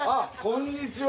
こんにちは